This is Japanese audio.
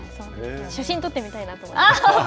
写真を撮ってみたいなと思います。